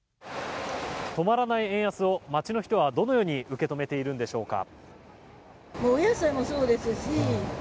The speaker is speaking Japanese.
止まらない円安を街の人はどのように受け止めているのでしょうか。